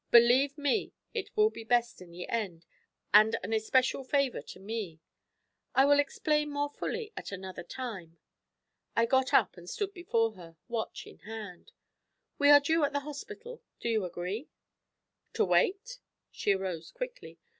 Believe me, it will be best in the end, and an especial favour to me. I will explain more fully at another time.' I got up and stood before her, watch in hand. 'We are due at the hospital. Do you agree?' 'To wait?' She arose quickly.